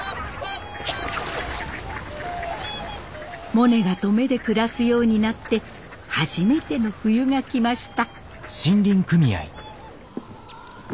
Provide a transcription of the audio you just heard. モネが登米で暮らすようになって初めての冬が来ました。